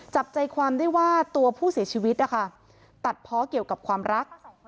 จับใจความได้ว่าตัวผู้เสียชีวิตนะคะตัดเพาะเกี่ยวกับความรัก